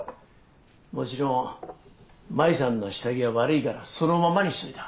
もちろん麻衣さんの下着は悪いからそのままにしといた。